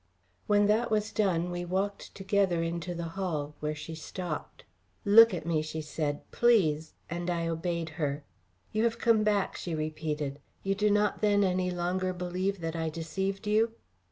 When that was done we walked together into the hall, where she stopped. "Look at me," she said, "please!" and I obeyed her. "You have come back," she repeated. "You do not, then, any longer believe that I deceived you?"